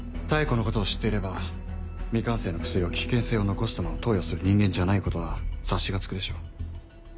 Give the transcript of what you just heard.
妙子のことを知っていれば未完成の薬を危険性を残したまま投与する人間じゃないことは察しがつくでしょう。